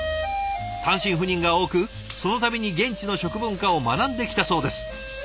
単身赴任が多くその度に現地の食文化を学んできたそうです。